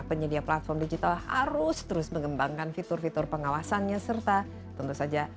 penyedia platform digital harus terus mengembangkan fitur fitur pengawasannya serta tentu saja